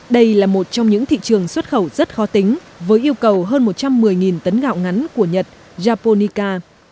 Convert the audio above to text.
đây là một trong những thị trường xuất khẩu rất khó tính với yêu cầu hơn một trăm một mươi tấn gạo ngắn của nhật japonica